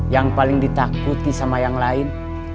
yang paling ditakuti sama yang lain